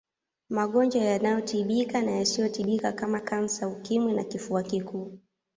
magonjwa yanayotibika na yasiyotibika kama kansa ukimwi na kifua kikuu